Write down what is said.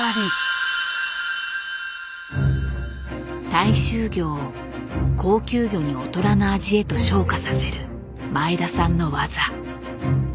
大衆魚を高級魚に劣らぬ味へと昇華させる前田さんの技。